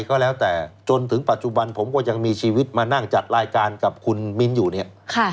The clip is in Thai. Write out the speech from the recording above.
ก็แล้วแต่จนถึงปัจจุบันผมก็ยังมีชีวิตมานั่งจัดรายการกับคุณมิ้นอยู่เนี่ย